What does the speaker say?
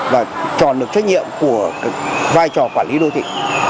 và tròn được trách nhiệm của vai trò quản lý đô thị